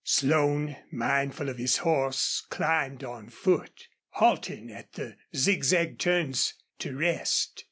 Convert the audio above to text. Slone, mindful of his horse, climbed on foot, halting at the zigzag turns to rest.